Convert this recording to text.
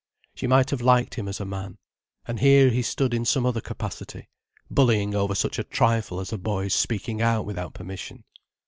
She might have liked him as a man. And here he stood in some other capacity, bullying over such a trifle as a boy's speaking out without permission.